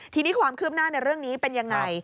ทีนี้ความคืบหน้าในเรื่องนี้เป็นยังไง